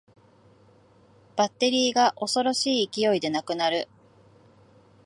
バッテリーが恐ろしい勢いでなくなる